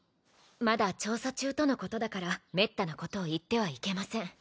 まだ調査中とのことだからめったなことを言ってはいけません。